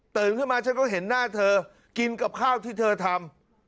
ขึ้นมาฉันก็เห็นหน้าเธอกินกับข้าวที่เธอทำ